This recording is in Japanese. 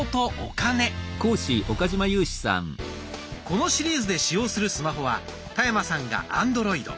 このシリーズで使用するスマホは田山さんがアンドロイド。